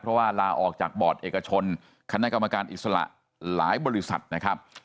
เพราะว่าลาออกจากบอร์ดเอกชนคณะกรรมการอิสระหลายบริษัทนะครับ